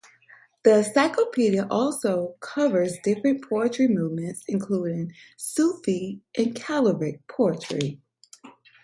The encyclopedia also covers different poetry movements including Sufi and Chivalric poetry.